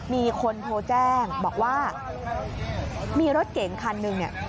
มีคนโทรแจ้งบอกว่ามีรถเก๋งคันหนึ่งเนี่ย